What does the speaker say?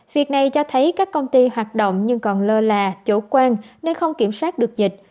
việc này cho thấy các công ty hoạt động nhưng còn lơ là chủ quan nên không kiểm soát được dịch